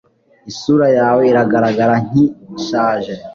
Isura yawe iragaragara nki shaje